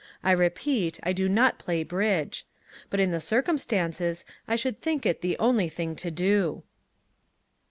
I repeat, I do not play bridge. But in the circumstances, I should think it the only thing to do."